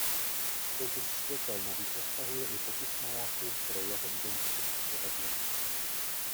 Soupis světel navíc obsahuje i popis majáku pro jeho identifikaci ve dne.